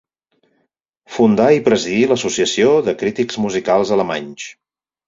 Fundà i presidí l'Associació de Crítics Musicals Alemanys.